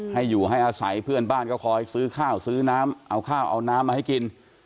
ให้อยู่ให้อาศัยเพื่อนบ้านก็คอยซื้อข้าวซื้อน้ำเอาข้าวเอาน้ำมาให้กิน